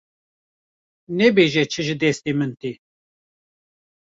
nebêje çi ji destê min tê.